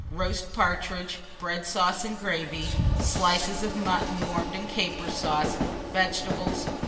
Roast partridges, bread sauce, and gravy; slices of mutton warmed in caper sauce; vegetables.